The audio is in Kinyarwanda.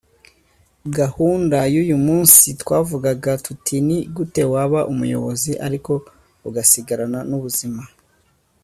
“Gahunda y’uyu munsi twavugaga tuti ni gute waba umuyobozi ariko ugasigarana n’ubuzima